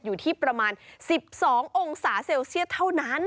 อยู่ที่ประมาณ๑๒องศาเซลเซียสเท่านั้น